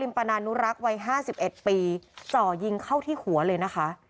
ลิมปานานหนุ้นลักษณ์วัยห้าสิบเอ็ดปีจ่อยิงเข้าที่หัวเลยนะคะ